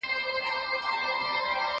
زه به سبا ليک ولولم!!